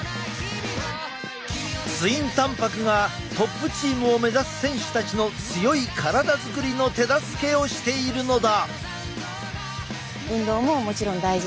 ツインたんぱくがトップチームを目指す選手たちの強い体作りの手助けをしているのだ。